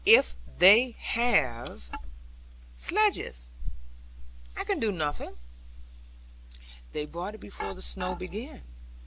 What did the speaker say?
If they have sledges, I can do nothing.' 'They brought it before the snow began.